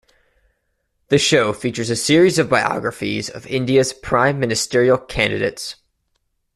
The show features a series of biographies of India's prime ministerial candidates.